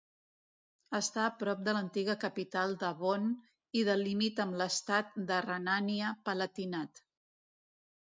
Està a prop de l'antiga capital de Bonn i del límit amb l'estat de Renània-Palatinat.